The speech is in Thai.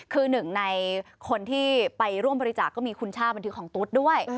คือหนึ่งในคนที่ไปร่วมบริจาคก็มีคุณช่าบันทึกของตุ๊ดด้วย